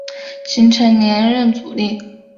形成连任阻力。